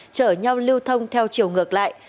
chở nhau lưu thông theo chiều ngược lại